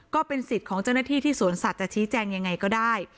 ก็เป็นสิทธิ์ของเจ้าหน้าที่ที่สวนสัตว์ชี้แจงยังไงก็ได้